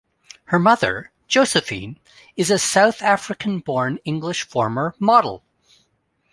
Her mother, Josephine, is a South African-born English former model.